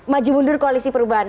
maju mundur koalisi perubahan